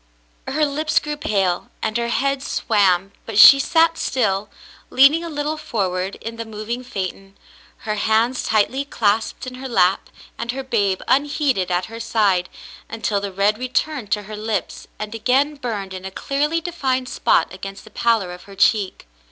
Her lips grew pale, and her head swam, but she sat still, leaning a little forward in the moving phaeton, her hands tightly clasped in her lap and her babe unheeded at her side, until the red returned to her lips and again burned in a clearly defined spot against the pallor of her cheek.